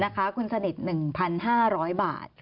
คุณสนิท๑๕๐๐บาท